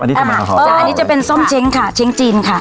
อันนี้จะมาขออันนี้จะเป็นส้มเช้งค่ะเช้งจีนค่ะ